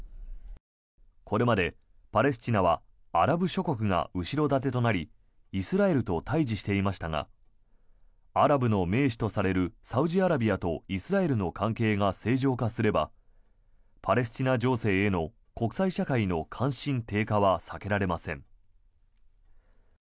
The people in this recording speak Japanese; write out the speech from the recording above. これまでパレスチナはアラブ諸国が後ろ盾となりイスラエルと対峙していましたがアラブの盟主とされるサウジアラビアとイスラエルの関係が正常化すればパレスチナ情勢への国際社会の関心低下は避けられません。